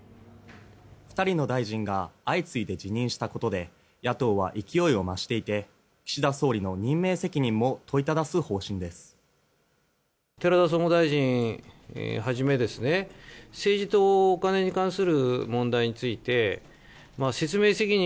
２人の大臣が相次いで辞任したことで野党は勢いを増していて岸田総理の任命責任も問いただす方針です。